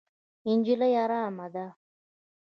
نجلۍ ارامه ده.